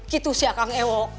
gitu siakang ewok